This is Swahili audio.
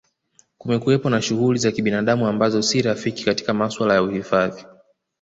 Kumekuwapo na shughuli za kinabadamu ambazo si rafiki katika masuala ya uhifadhi